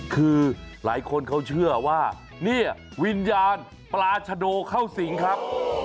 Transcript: คือหลายคนเขาเชื่อว่าเนี่ยวิญญาณปราชโดเข้าสิงครับ